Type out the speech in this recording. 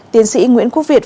tiến sĩ nguyễn quốc việt